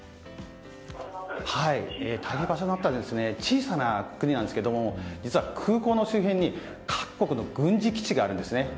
退避場所となったのは小さな国なんですが実は空港の周辺に各国の軍事基地があるんですね。